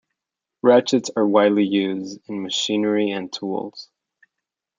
Ratchets are widely used in machinery and tools.